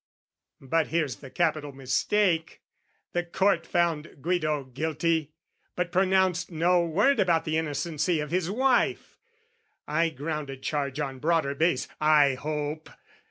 But here's the capital mistake: the Court Found Guido guilty, but pronounced no word About the innocency of his wife: I grounded charge on broader base, I hope!